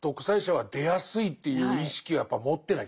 はい。